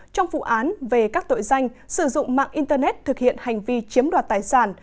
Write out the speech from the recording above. trong vụ án về các tội danh sử dụng mạng internet thực hiện hành vi chiếm đoạt tài sản